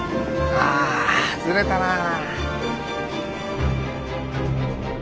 ああずれたなぁ。